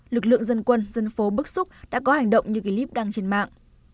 lực lượng dân quân dân phố bức xúc đã có hành động như clip đăng trên mạng